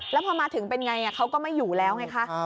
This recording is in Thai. แล้วพอมาถึงเป็นไงเขาก็ไม่อยู่แล้วไงคะ